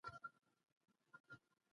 مظلومانو ته د هغوی حق ورسوئ.